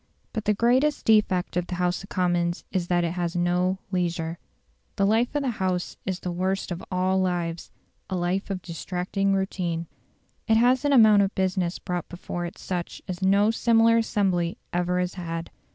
But the greatest defect of the House of Commons is that it has no leisure. The life of the House is the worst of all lives a life of distracting routine. It has an amount of business brought before it such as no similar assembly ever has had.